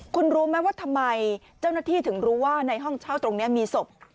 คุณรู้ไหมว่าทำไมเจ้าหน้าที่ถึงรู้ว่าในห้องเช่าตรงนี้มีศพ